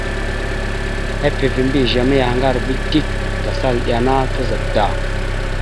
Epeva mbiyez a mayahaŋgar ava dik, tasal iɗe ana tazaɗ da.